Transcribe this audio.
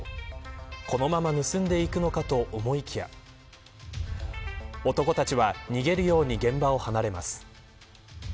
そのまま盗んでいくのかと思いきや男たちは逃げるように現場を離れます。